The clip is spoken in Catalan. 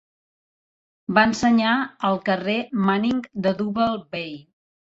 Va ensenyar al carrer Manning de Double Bay.